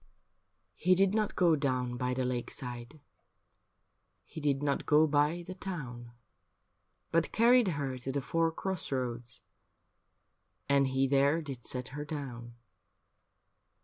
He did not go down by the lakeside. He did not go by the town. But carried her to the four cross roads. And he there did set her down.